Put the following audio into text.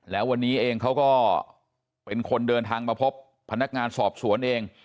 แล้ววันนี้เองเขาก็เป็นคนเดินทางมาพบพนักงานสอบสวนเอง